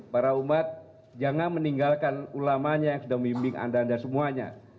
para umat jangan meninggalkan ulamanya yang sudah membimbing anda anda semuanya